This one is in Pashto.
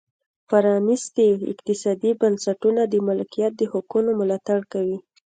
پرانیستي اقتصادي بنسټونه د مالکیت د حقونو ملاتړ کوي.